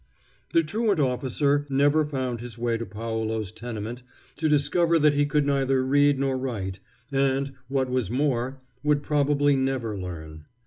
The truant officer never found his way to Paolo's tenement to discover that he could neither read nor write, and, what was more, would probably never learn.